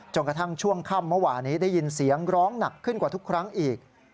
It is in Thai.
กระทั่งช่วงค่ำเมื่อวานนี้ได้ยินเสียงร้องหนักขึ้นกว่าทุกครั้งอีก